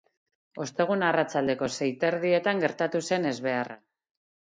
Ostegun arratsaldeko sei eta erdietan gertatu zen ezbeharra.